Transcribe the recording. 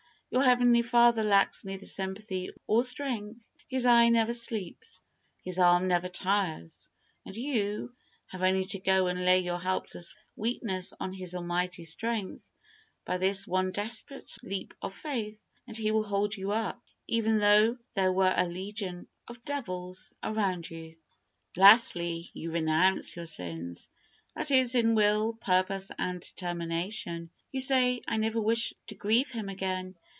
Your Heavenly Father lacks neither sympathy or strength. His eye never sleeps. His arm never tires, and you have only to go and lay your helpless weakness on His Almighty strength by this one desperate leap of faith, and He will hold you up, even though there were a legion of devils around you. Lastly, you renounce your sins, that is, in will, purpose, and determination. You say, "I never wish to grieve Him again."